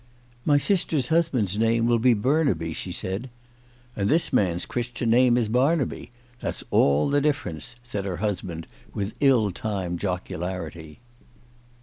" My sister's husband's name will be Burnaby," she said. " And this man's Chris tian name is Barnaby ; that's all the difference," said her husband, with ill timed jocularity.